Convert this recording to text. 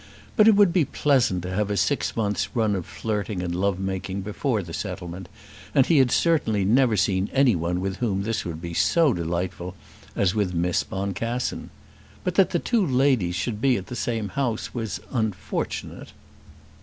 But it would be pleasant to have a six months run of flirting and love making before this settlement, and he had certainly never seen any one with whom this would be so delightful as with Miss Boncassen. But that the two ladies should be at the same house was unfortunate.